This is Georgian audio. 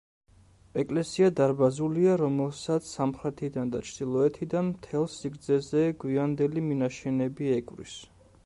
ეკლესია დარბაზულია, რომელსაც სამხრეთიდან და ჩრდილოეთიდან მთელ სიგრძეზე გვიანდელი მინაშენები ეკვრის.